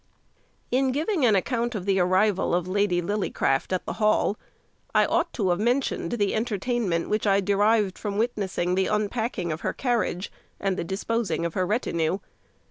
In giving an account of the arrival of Lady Lillycraft at the Hall, I ought to have mentioned the entertainment which I derived from witnessing the unpacking of her carriage, and the disposing of her retinue.